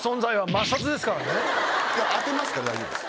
いや当てますから大丈夫です。